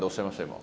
今。